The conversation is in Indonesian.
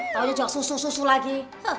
lalu juga susu susu lagi